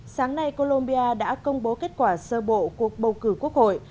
sáng nay colombia đã công bố kết quả sơ bộ cuộc bầu cử quốc hội